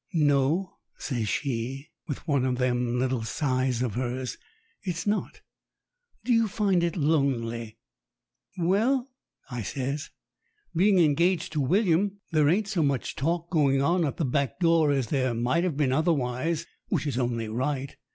"No," says she, with one of them little sighs of hers, "it's not. Do you find it lonely?" "Well," I says, "being engaged to William, there ain't so much talk going on at the back door as there might have been otherwise, which is only right.